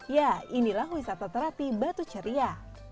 ya inilah wisata terapi batu ceria